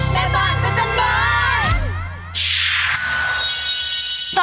แม่บ้านพระจันทร์บอล